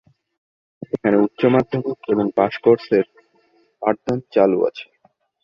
এখানে উচ্চ মাধ্যমিক এবং পাশ কোর্স এর পাঠদান চালু আছে।